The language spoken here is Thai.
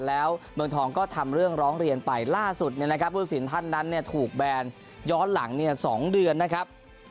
แล้วเมืองทองก็ทำเรื่องร้องเรียนไปล่าสุดเนี่ยนะครับผู้สินท่านนั้นเนี่ยถูกแบนย้อนหลังเนี่ยสองเดือนนะครับ